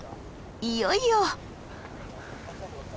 いよいよ！